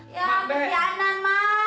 ya kesianan mak